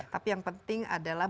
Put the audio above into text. tapi yang penting adalah